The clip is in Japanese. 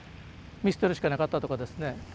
見捨てるしかなかったとかですね。